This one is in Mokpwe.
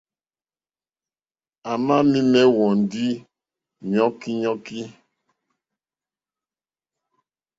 À mì má ɛ̀hwɔ̀ndí nɔ́kínɔ́kí.